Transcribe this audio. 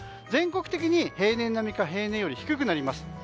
全国的に平年並みか平年より低くなります。